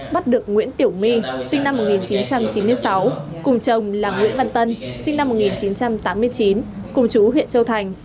bắt được nguyễn tiểu my sinh năm một nghìn chín trăm chín mươi sáu cùng chồng là nguyễn văn tân sinh năm một nghìn chín trăm tám mươi chín cùng chú huyện châu thành